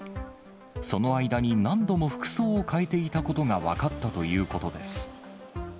その間に何度も服装を変えていたことが分かったということです。